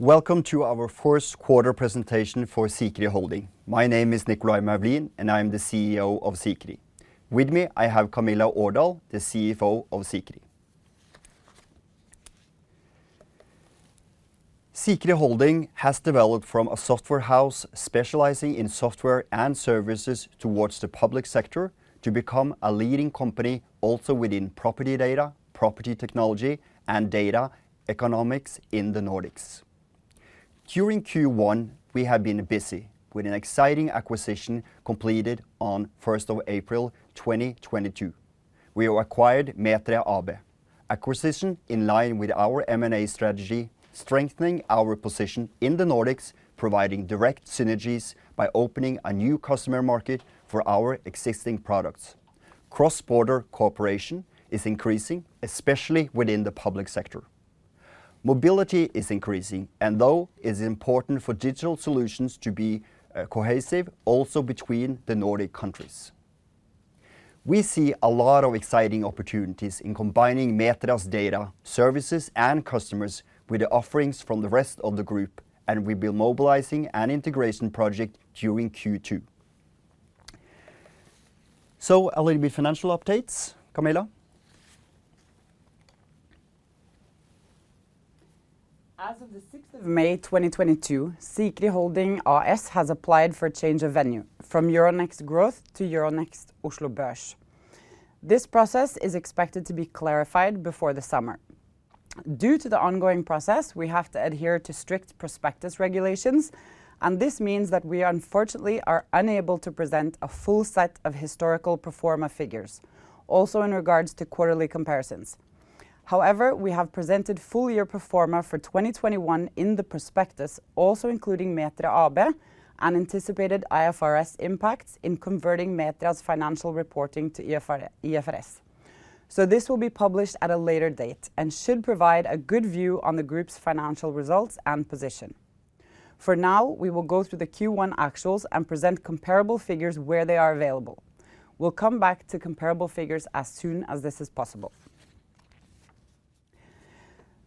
Welcome to our first quarter presentation for Sikri Holding. My name is Nicolay Moulin, and I am the CEO of Sikri. With me, I have Camilla Aardal, the CFO of Sikri. Sikri Holding has developed from a software house specializing in software and services towards the public sector to become a leading company, also within property data, property technology, and data economics in the Nordics. During Q1, we have been busy with an exciting acquisition completed on 1st of April, 2022. We acquired Metria AB. Acquisition in line with our M&A strategy, strengthening our position in the Nordics, providing direct synergies by opening a new customer market for our existing products. Cross-border cooperation is increasing, especially within the public sector. Mobility is increasing, and though it is important for digital solutions to be, cohesive also between the Nordic countries. We see a lot of exciting opportunities in combining Metria's data, services, and customers with the offerings from the rest of the group, and we'll be mobilizing an integration project during Q2. A little bit financial updates, Camilla. As of the 6th of May, 2022, Sikri Holding AS has applied for a change of venue from Euronext Growth to Euronext Oslo Børs. This process is expected to be clarified before the summer. Due to the ongoing process, we have to adhere to strict prospectus regulations, and this means that we unfortunately are unable to present a full set of historical pro forma figures, also in regards to quarterly comparisons. However, we have presented full-year pro forma for 2021 in the prospectus, also including Metria AB and anticipated IFRS impacts in converting Metria's financial reporting to IFRS. This will be published at a later date and should provide a good view on the group's financial results and position. For now, we will go through the Q1 actuals and present comparable figures where they are available. We'll come back to comparable figures as soon as this is possible.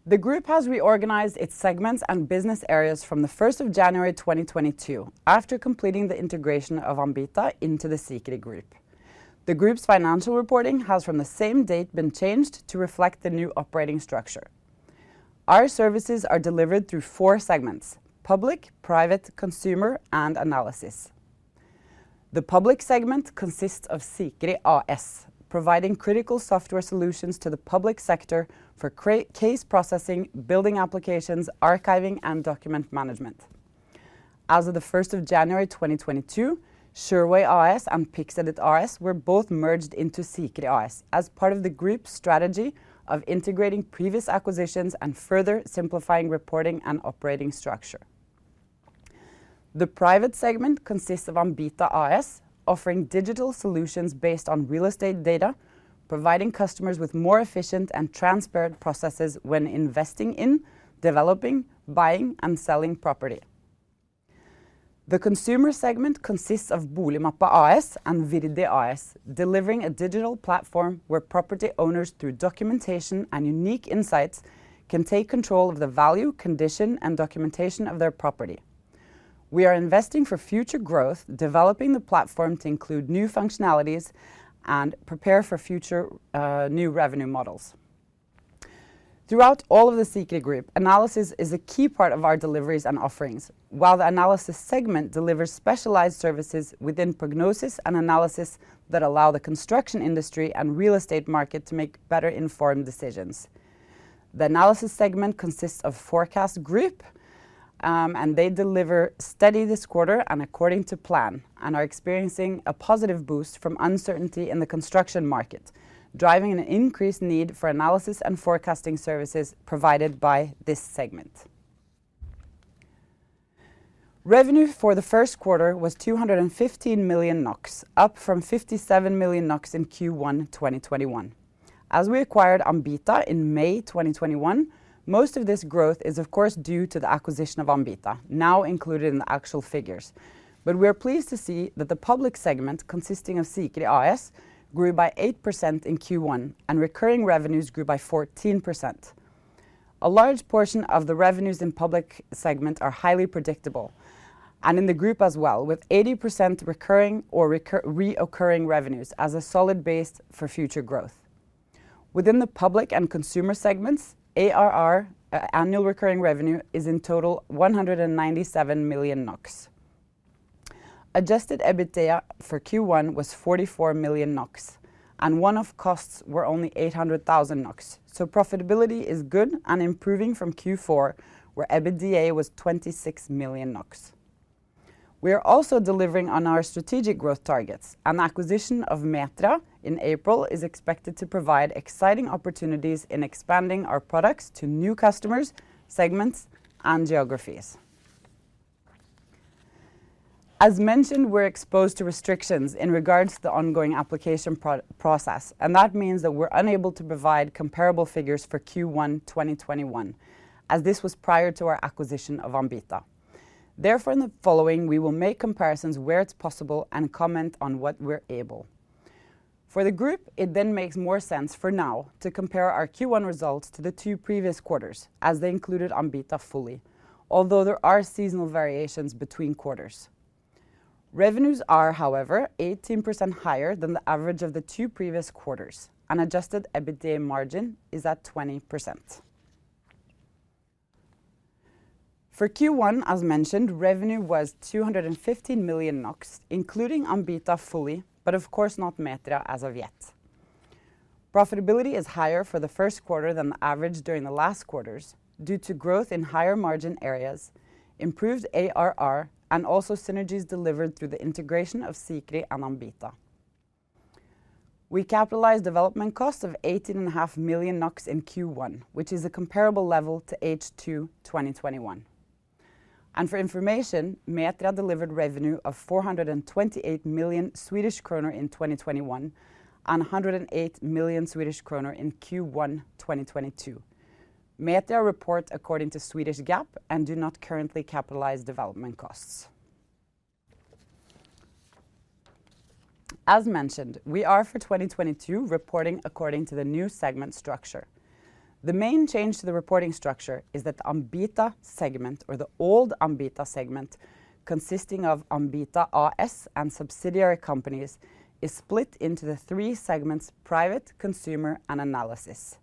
The group has reorganized its segments and business areas from the 1st of January, 2022 after completing the integration of Ambita into the Sikri Group. The group's financial reporting has, from the same date, been changed to reflect the new operating structure. Our services are delivered through four segments: public, private, consumer, and analysis. The public segment consists of Sikri AS, providing critical software solutions to the public sector for case processing, building applications, archiving, and document management. As of the 1st of January, 2022, Sureway AS and PixEdit AS were both merged into Sikri AS as part of the group's strategy of integrating previous acquisitions and further simplifying reporting and operating structure. The private segment consists of Ambita AS, offering digital solutions based on real estate data, providing customers with more efficient and transparent processes when investing in developing, buying, and selling property. The consumer segment consists of Boligmappa AS and Viridi AS, delivering a digital platform where property owners, through documentation and unique insights, can take control of the value, condition, and documentation of their property. We are investing for future growth, developing the platform to include new functionalities and prepare for future, new revenue models. Throughout all of the Sikri Group, analysis is a key part of our deliveries and offerings. While the analysis segment delivers specialized services within prognosis and analysis that allow the construction industry and real estate market to make better-informed decisions. The analysis segment consists of Prognosesenteret, and they delivered steadily this quarter and according to plan and are experiencing a positive boost from uncertainty in the construction market, driving an increased need for analysis and forecasting services provided by this segment. Revenue for the first quarter was 215 million NOK, up from 57 million NOK in Q1 2021. As we acquired Ambita in May 2021, most of this growth is of course due to the acquisition of Ambita, now included in the actual figures. We are pleased to see that the public segment consisting of Sikri AS grew by 8% in Q1, and recurring revenues grew by 14%. A large portion of the revenues in public segment are highly predictable and in the group as well, with 80% recurring revenues as a solid base for future growth. Within the public and consumer segments, ARR, Annual Recurring Revenue, is in total 197 million NOK. Adjusted EBITDA for Q1 was 44 million NOK, and one-off costs were only 800, 000 NOK, so profitability is good and improving from Q4, where EBITDA was 26 million NOK. We are also delivering on our strategic growth targets. An acquisition of Metria in April is expected to provide exciting opportunities in expanding our products to new customers, segments, and geographies. As mentioned, we're exposed to restrictions in regards to the ongoing approval process, and that means that we're unable to provide comparable figures for Q1 2021, as this was prior to our acquisition of Ambita. Therefore, in the following, we will make comparisons where it's possible and comment on what we're able. For the group, it then makes more sense for now to compare our Q1 results to the two previous quarters, as they included Ambita fully, although there are seasonal variations between quarters. Revenues are, however, 18% higher than the average of the two previous quarters. An adjusted EBITDA margin is at 20%. For Q1, as mentioned, revenue was 215 million NOK, including Ambita fully, but of course not Metria as of yet. Profitability is higher for the first quarter than the average during the last quarters due to growth in higher margin areas, improved ARR, and also synergies delivered through the integration of Sikri and Ambita. We capitalized development costs of 18.5 million NOK in Q1, which is a comparable level to H2 2021. For information, Metria delivered revenue of 428 million Swedish kronor in 2021 and 108 million Swedish kronor in Q1 2022. Metria reports according to Swedish GAAP and do not currently capitalize development costs. As mentioned, we are for 2022 reporting according to the new segment structure. The main change to the reporting structure is that Ambita segment or the old Ambita segment, consisting of Ambita AS and subsidiary companies, is split into the three segments: Private, Consumer, and Analysis.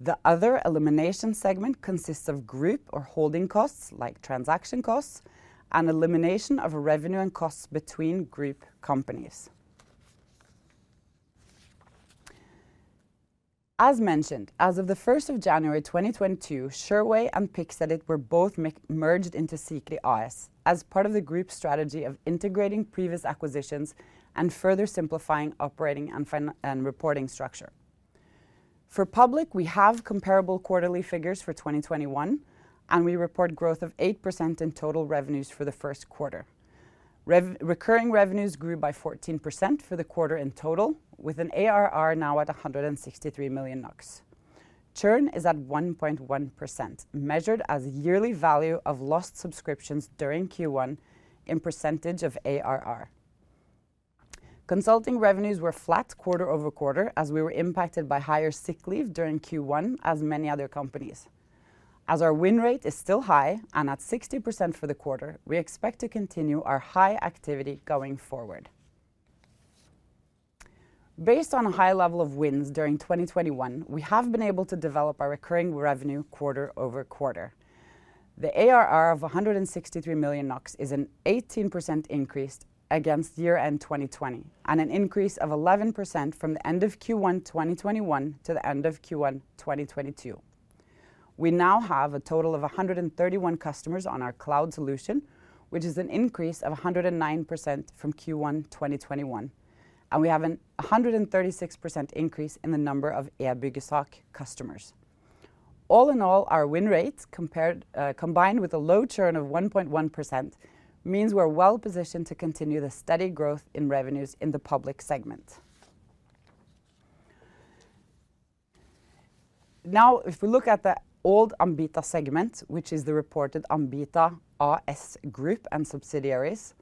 The other Elimination segment consists of group or holding costs like transaction costs and elimination of revenue and costs between group companies. As mentioned, as of the first of January, 2022, Sureway and PixEdit were both merged into Sikri AS as part of the group strategy of integrating previous acquisitions and further simplifying operating and financial and reporting structure. For public, we have comparable quarterly figures for 2021, and we report growth of 8% in total revenues for the first quarter. Recurring revenues grew by 14% for the quarter in total, with an ARR now at 163 million NOK. Churn is at 1.1%, measured as yearly value of lost subscriptions during Q1 in percentage of ARR. Consulting revenues were flat quarter-over-quarter as we were impacted by higher sick leave during Q1 as many other companies. As our win rate is still high and at 60% for the quarter, we expect to continue our high activity going forward. Based on a high level of wins during 2021, we have been able to develop our recurring revenue quarter-over-quarter. The ARR of 163 million NOK is an 18% increase against year-end 2020 and an increase of 11% from the end of Q1 2021 to the end of Q1 2022. We now have a total of 131 customers on our cloud solution, which is an increase of 109% from Q1 2021, and we have a 136% increase in the number of eByggesak customers. All in all, our win rates compared combined with a low churn of 1.1% means we're well-positioned to continue the steady growth in revenues in the public segment. Now, if we look at the old Ambita segment, which is the reported Ambita AS group and subsidiaries,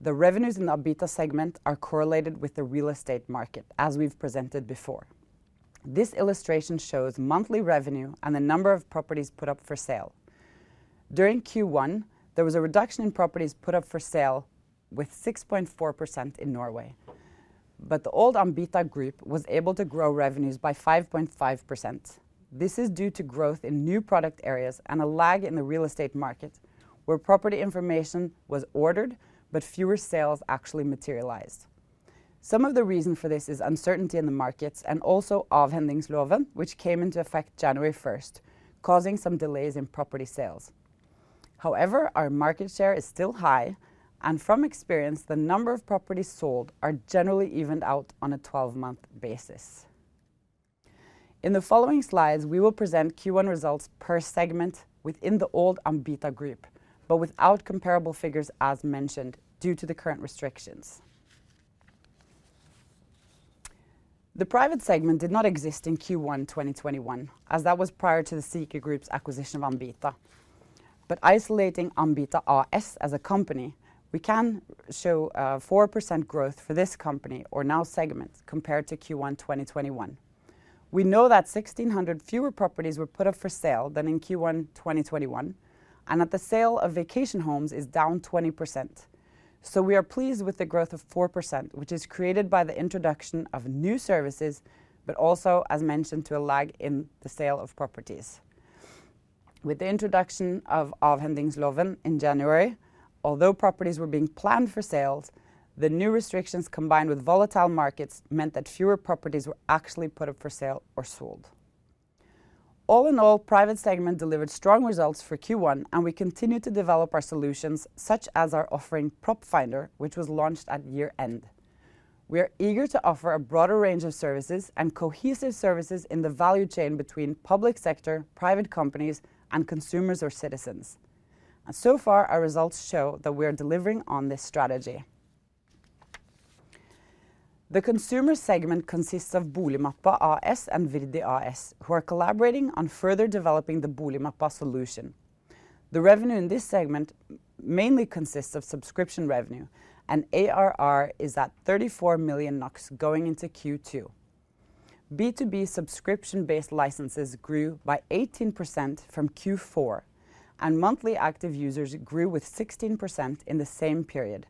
the revenues in the Ambita segment are correlated with the real estate market, as we've presented before. This illustration shows monthly revenue and the number of properties put up for sale. During Q1, there was a reduction in properties put up for sale with 6.4% in Norway. The old Ambita Group was able to grow revenues by 5.5%. This is due to growth in new product areas and a lag in the real estate market where property information was ordered but fewer sales actually materialized. Some of the reason for this is uncertainty in the markets and also Avhendingsloven, which came into effect January 1st, causing some delays in property sales. However, our market share is still high, and from experience, the number of properties sold are generally evened out on a 12-month basis. In the following slides, we will present Q1 results per segment within the old Ambita group but without comparable figures as mentioned due to the current restrictions. The private segment did not exist in Q1 2021, as that was prior to the Sikri Group's acquisition of Ambita. Isolating Ambita AS a company, we can show 4% growth for this company or now segment compared to Q1 2021. We know that 1,600 fewer properties were put up for sale than in Q1 2021, and that the sale of vacation homes is down 20%. We are pleased with the growth of 4%, which is created by the introduction of new services, but also, as mentioned, to a lag in the sale of properties. With the introduction of Avhendingsloven in January, although properties were being planned for sales, the new restrictions combined with volatile markets meant that fewer properties were actually put up for sale or sold. All in all, private segment delivered strong results for Q1, and we continue to develop our solutions, such as our offering PropFinder, which was launched at year-end. We are eager to offer a broader range of services and cohesive services in the value chain between public sector, private companies, and consumers or citizens. Our results show that we are delivering on this strategy. The consumer segment consists of Boligmappa AS and Viridi AS, who are collaborating on further developing the Boligmappa solution. The revenue in this segment mainly consists of subscription revenue and ARR is at 34 million NOK going into Q2. B2B subscription-based licenses grew by 18% from Q4, and monthly active users grew with 16% in the same period.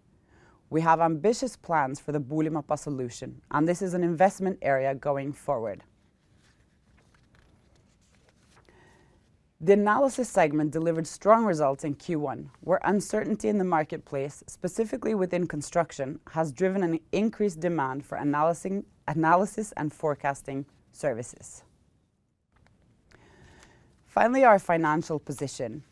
We have ambitious plans for the Boligmappa solution, and this is an investment area going forward. The analysis segment delivered strong results in Q1, where uncertainty in the marketplace, specifically within construction, has driven an increased demand for analysis and forecasting services. Finally, our financial position.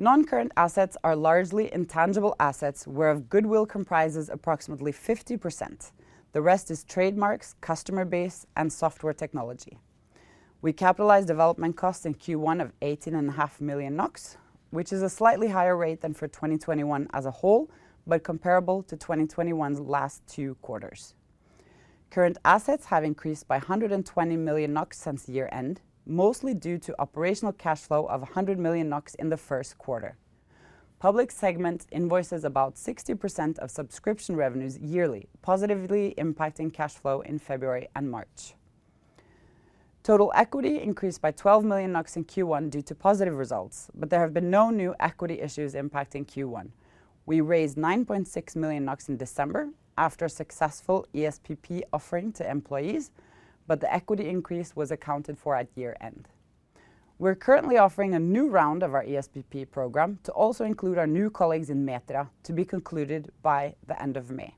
Non-current assets are largely intangible assets where goodwill comprises approximately 50%. The rest is trademarks, customer base, and software technology. We capitalize development costs in Q1 of 18.5 million NOK, which is a slightly higher rate than for 2021 as a whole, but comparable to 2021's last two quarters. Current assets have increased by 120 million NOK since year-end, mostly due to operational cash flow of 100 million NOK in the first quarter. Public segment invoices about 60% of subscription revenues yearly, positively impacting cash flow in February and March. Total equity increased by 12 million NOK in Q1 due to positive results, but there have been no new equity issues impacting Q1. We raised 9.6 million NOK in December after a successful ESPP offering to employees, but the equity increase was accounted for at year-end. We're currently offering a new round of our ESPP program to also include our new colleagues in Metria to be concluded by the end of May.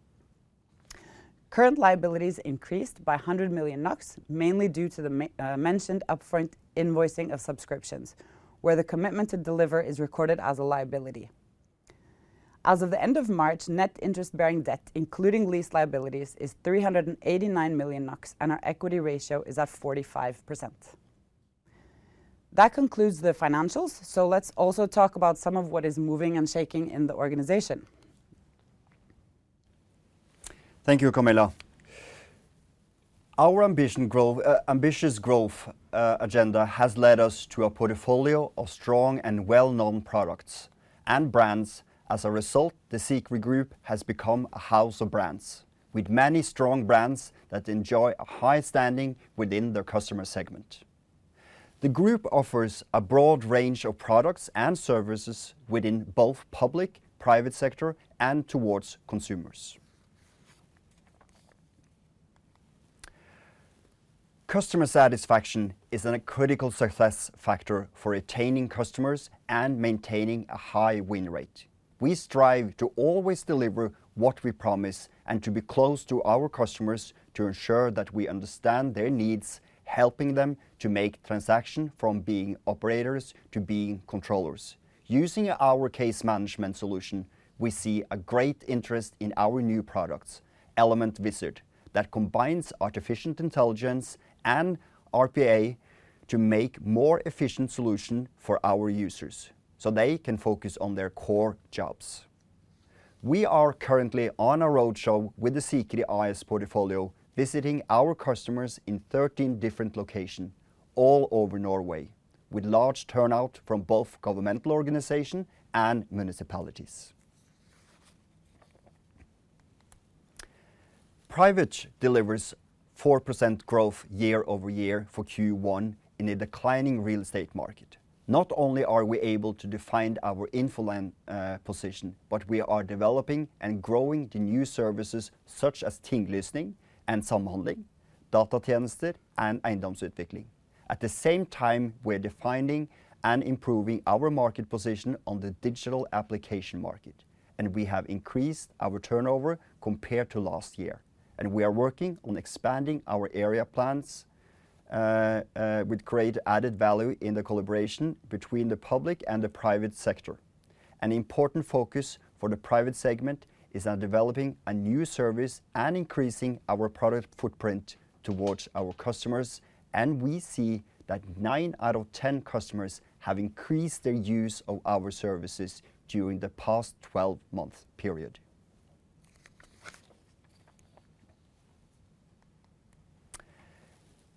Current liabilities increased by 100 million NOK, mainly due to the mentioned upfront invoicing of subscriptions, where the commitment to deliver is recorded as a liability. As of the end of March, net interest-bearing debt, including lease liabilities, is 389 million NOK, and our equity ratio is at 45%. That concludes the financials, so let's also talk about some of what is moving and shaking in the organization. Thank you, Camilla. Our ambitious growth agenda has led us to a portfolio of strong and well-known products and brands. As a result, the Sikri Group has become a house of brands, with many strong brands that enjoy a high standing within their customer segment. The group offers a broad range of products and services within both public and private sector, and towards consumers. Customer satisfaction is a critical success factor for retaining customers and maintaining a high win rate. We strive to always deliver what we promise and to be close to our customers to ensure that we understand their needs, helping them to make transition from being operators to being controllers. Using our case management solution, we see a great interest in our new products, Element Wizard, that combines artificial intelligence and RPA to make more efficient solution for our users so they can focus on their core jobs. We are currently on a roadshow with the Sikri AS portfolio, visiting our customers in 13 different locations all over Norway, with large turnout from both governmental organizations and municipalities. Sikri delivers 4% growth year-over-year for Q1 in a declining real estate market. Not only are we able to defend our Infoland position, but we are developing and growing the new services, such as Tinglysning and Samhandling, Datatjenester and Eiendomsutvikling. At the same time, we're defining and improving our market position on the digital application market, and we have increased our turnover compared to last year, and we are working on expanding our area plans with great added value in the collaboration between the public and the private sector. An important focus for the private segment is on developing a new service and increasing our product footprint towards our customers, and we see that nine out of 10 customers have increased their use of our services during the past 12-month period.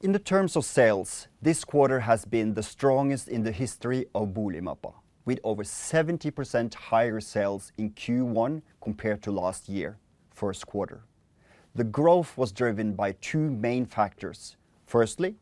In terms of sales, this quarter has been the strongest in the history of Boligmappa, with over 70% higher sales in Q1 compared to last year first quarter. The growth was driven by two main factors. Firstly,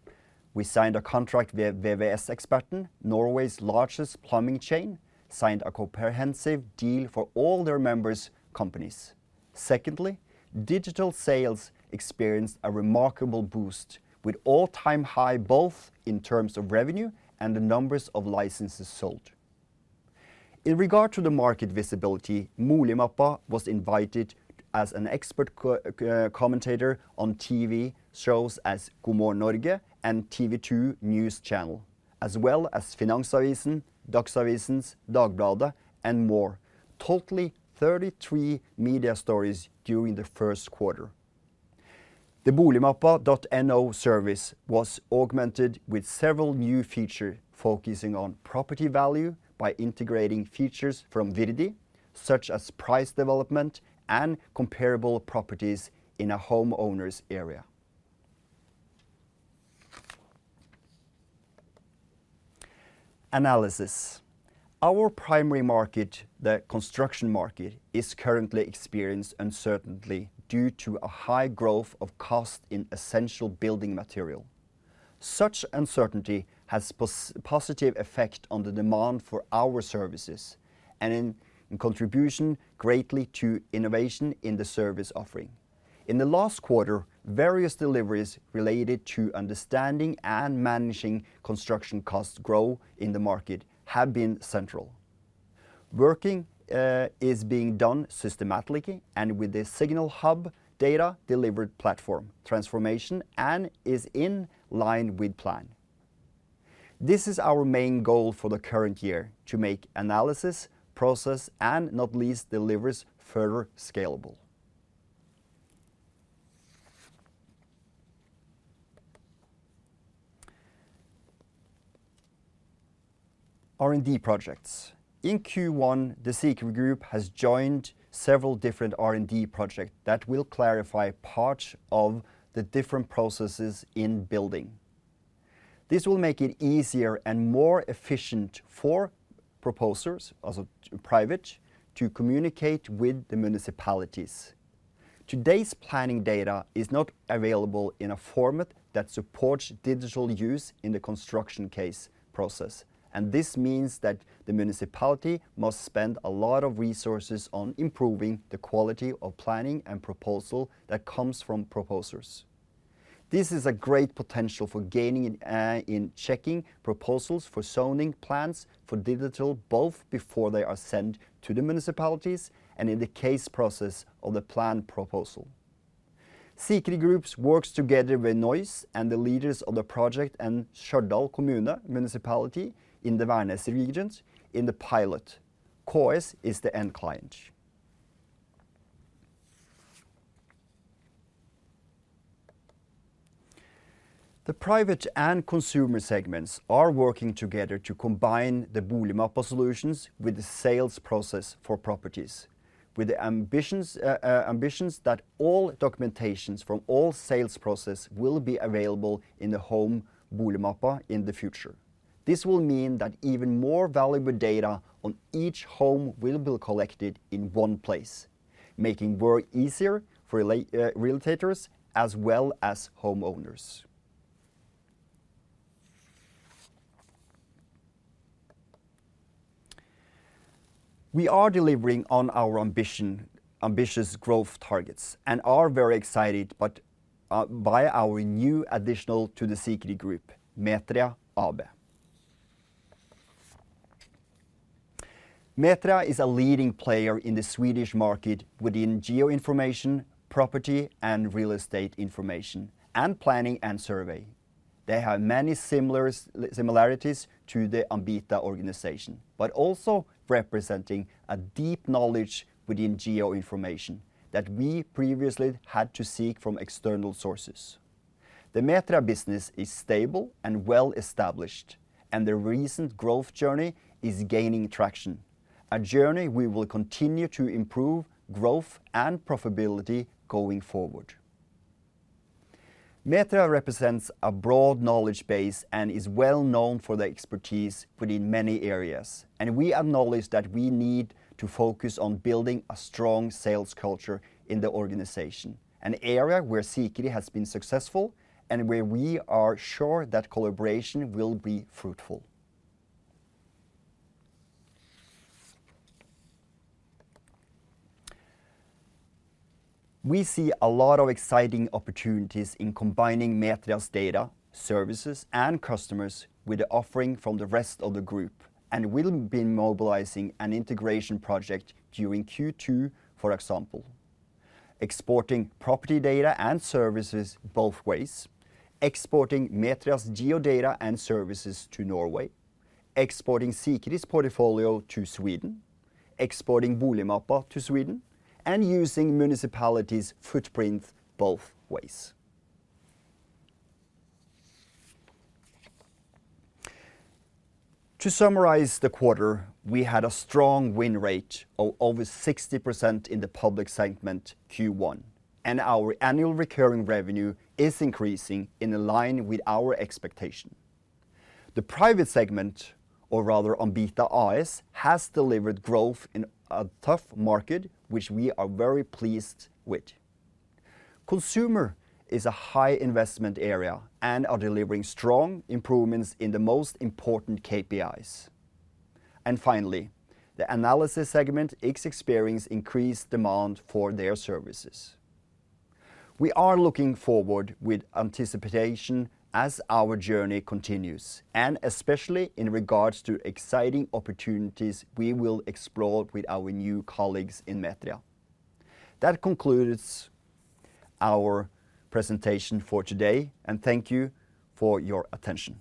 we signed a contract via VVS-Eksperten, Norway's largest plumbing chain, signed a comprehensive deal for all their members' companies. Secondly, digital sales experienced a remarkable boost with all-time high, both in terms of revenue and the numbers of licenses sold. In regard to the market visibility, Boligmappa was invited as an expert co-commentator on TV shows as God Morgen Norge and TV 2 news channel, as well as Finansavisen, Dagsavisen, Dagbladet, and more. Totally 33 media stories during the first quarter. The boligmappa.no service was augmented with several new feature focusing on property value by integrating features from Viridi, such as price development and comparable properties in a homeowner's area. Analysis. Our primary market, the construction market, is currently experienced uncertainty due to a high growth of cost in essential building material. Such uncertainty has positive effect on the demand for our services and in contribution greatly to innovation in the service offering. In the last quarter, various deliveries related to understanding and managing construction cost growth in the market have been central. Working is being done systematically and with the Signal Hub data delivery platform transformation and is in line with plan. This is our main goal for the current year, to make analysis process, and not least, delivers further scalable. R&D projects. In Q1, the Sikri Group has joined several different R&D project that will clarify parts of the different processes in building. This will make it easier and more efficient for proposers, as a private, to communicate with the municipalities. Today's planning data is not available in a format that supports digital use in the construction case process, and this means that the municipality must spend a lot of resources on improving the quality of planning and proposal that comes from proposers. This is a great potential for gaining, in checking proposals for zoning plans for digital, both before they are sent to the municipalities and in the case process of the plan proposal. Sikri Group works together with Nois and the leaders of the project and Stjørdal kommune municipality in the Værnes region in the pilot. KS is the end client. The private and consumer segments are working together to combine the Boligmappa solutions with the sales process for properties, with the ambitions that all documentations from all sales process will be available in the home Boligmappa in the future. This will mean that even more valuable data on each home will be collected in one place, making work easier for realtors as well as homeowners. We are delivering on our ambition, ambitious growth targets and are very excited but by our new addition to the Sikri Group, Metria AB. Metria is a leading player in the Swedish market within geo information, property, and real estate information, and planning and survey. They have many similarities to the Ambita organization, but also representing a deep knowledge within geoinformation that we previously had to seek from external sources. The Metria business is stable and well established, and the recent growth journey is gaining traction, a journey we will continue to improve growth and profitability going forward. Metria represents a broad knowledge base and is well known for the expertise within many areas, and we acknowledge that we need to focus on building a strong sales culture in the organization, an area where Sikri has been successful and where we are sure that collaboration will be fruitful. We see a lot of exciting opportunities in combining Metria's data, services, and customers with the offering from the rest of the group and will be mobilizing an integration project during Q2, for example, exporting property data and services both ways, exporting Metria's geo data and services to Norway, exporting Sikri's portfolio to Sweden, exporting Boligmappa to Sweden, and using municipalities' footprint both ways. To summarize the quarter, we had a strong win rate of over 60% in the public segment Q1, and our annual recurring revenue is increasing in line with our expectation. The private segment, or rather Ambita AS, has delivered growth in a tough market, which we are very pleased with. Consumer is a high investment area and are delivering strong improvements in the most important KPIs. Finally, the analysis segment is experiencing increased demand for their services. We are looking forward with anticipation as our journey continues and especially in regards to exciting opportunities we will explore with our new colleagues in Metria. That concludes our presentation for today, and thank you for your attention.